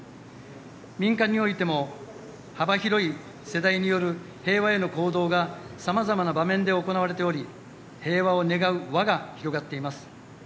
民間においても幅広い世代による平和への行動が様々な場面で行われており平和を願う輪が広がっています。